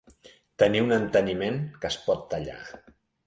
Tenir un enteniment que es pot tallar.